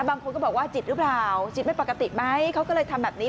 บางคนก็บอกว่าจิตหรือเปล่าจิตไม่ปกติไหมเขาก็เลยทำแบบนี้